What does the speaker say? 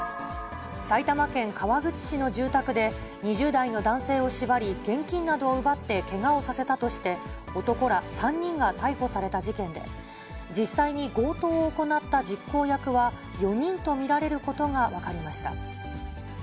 埼玉県川口市の住宅で、２０代の男性を縛り、現金などを奪ってけがをさせたとして、男ら３人が逮捕された事件で、実際に強盗を行った実行役は４人と見られることが分かりました。